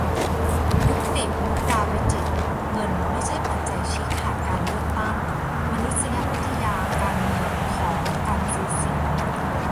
ยุกติ มุกดาวิจิตร : เงินไม่ใช่ปัจจัยชี้ขาดการเลือกตั้ง : มานุษยวิทยาการเมืองของ 'การซื้อเสียง'